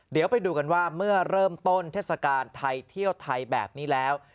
เดี๋ยวไปดูกันว่าเมื่อเริ่มต้นเทศกาลไทยเที่ยวไทยแบบนี้แล้ว